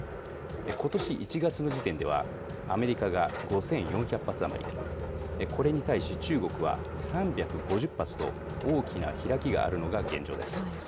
ことし１月の時点では、アメリカが５４００発余り、これに対し中国は３５０発と、大きな開きがあるのが現状です。